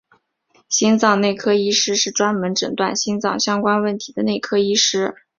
心脏内科医师是专门诊断心脏相关问题的内科医师。